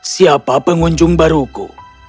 siapa pengunjung baruku